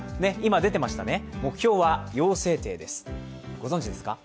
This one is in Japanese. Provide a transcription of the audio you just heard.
ご存じですか？